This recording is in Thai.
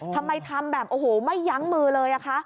ทำไมทำแบบโอ้โหไม่ยั้งมือเลยอะคะ